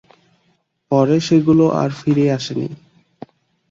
পরে সেগুলো আর ফিরে আসেনি।